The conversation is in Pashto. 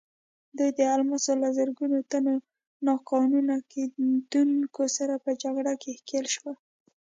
دوی د الماسو له زرګونو تنو ناقانونه کیندونکو سره په جګړه کې ښکېل شول.